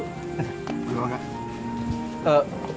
terima kasih pak